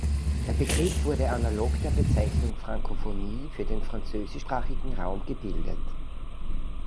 Der Begriff wurde analog der Bezeichnung Frankophonie für den französischsprachigen Raum gebildet.